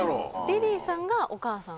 リリーさんがお母さん？